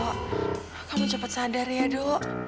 kamu cepat sadar ya do